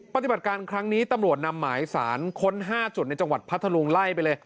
ปฏิบัติการครั้งนี้ตำรวจนำหมายสารค้น๕จุดในจังหวัดพัทธรุงไล่ไปเลย